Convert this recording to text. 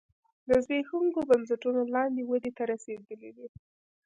د زبېښونکو بنسټونو لاندې ودې ته رسېدلی دی